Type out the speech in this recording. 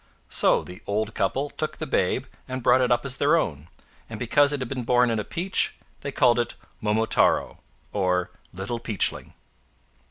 So the old couple took the babe and brought it up as their own; and because it had been born in a peach, they called it Momotaro, or Little Peachhing!